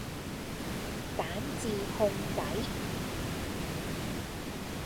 蛋治烘底